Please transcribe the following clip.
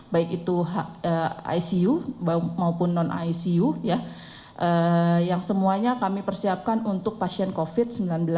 baik itu icu maupun non icu yang semuanya kami persiapkan untuk pasien covid sembilan belas